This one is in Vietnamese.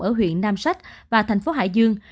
ở huyện nam sách và thành phố hải dương